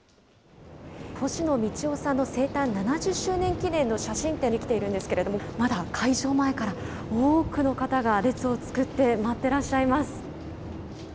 星野道夫さんの生誕７０周年記念の写真展に来ているんですけれども、まだ開場前から多くの方が列を作って待ってらっしゃいます。